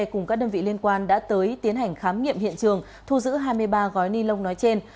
cùng các đơn vị liên quan đã tới tiến hành khám nghiệm hiện trường thu giữ hai mươi ba gói ni lông nói trên